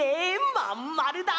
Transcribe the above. まんまるだ。